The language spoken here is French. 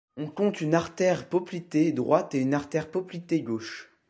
On compte une artère poplitée droite et une artère poplitée gauche.